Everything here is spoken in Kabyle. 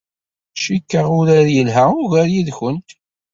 Cikkeɣ urar yelha ugar yid-went.